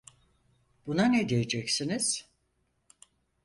Buna ne diyeceksiniz?